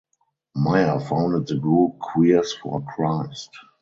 Meyer founded the group Queers for Christ.